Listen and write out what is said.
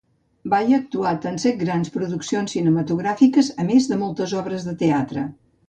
Bai ha actuat en set grans produccions cinematogràfiques a més de moltes obres de teatre.